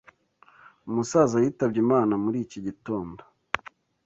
Umusaza yitabye Imana muri iki gitondo.